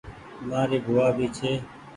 مآري ڀووآ بي ڇي ۔